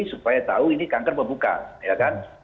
supaya tahu ini kanker membuka ya kan